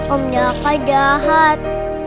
om daka jahat